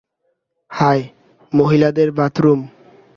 High, মহিলাদের bathroom.